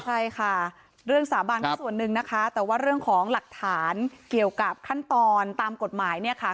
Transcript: ใช่ค่ะเรื่องสาบานก็ส่วนหนึ่งนะคะแต่ว่าเรื่องของหลักฐานเกี่ยวกับขั้นตอนตามกฎหมายเนี่ยค่ะ